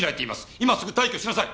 今すぐ退去しなさい！